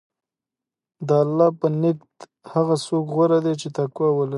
د الله په نزد هغه څوک غوره دی چې تقوی ولري.